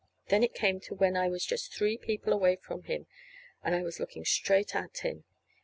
Then it came to when I was just three people away from him. And I was looking straight at him.